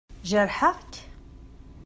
Jerḥeɣ-k?